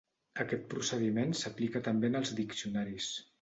Aquest procediment s'aplica també en els diccionaris.